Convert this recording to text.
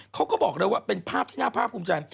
เขาก็บอกเลยว่าเป็นภาพที่น่าภาพภูมิใจ